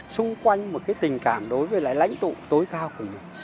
xung quanh một cái tình cảm đối với lại lãnh tụ tối cao của mình